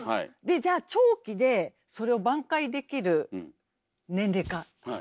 じゃあ長期でそれを挽回できる年齢かっていうと微妙。